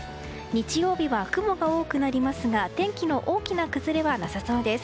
日曜日は雲が多くなりますが天気の大きな崩れはなさそうです。